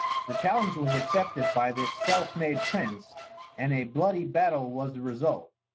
The challenge was accepted by this self made prince, and a bloody battle was the result.